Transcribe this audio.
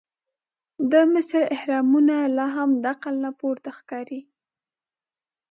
د مصر احرامونه لا هم د عقل نه پورته ښکاري.